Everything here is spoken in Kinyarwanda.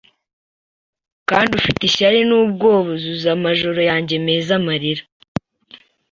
Kandi ufite ishyari n'ubwoba Uzuza amajoro yanjye meza amarira?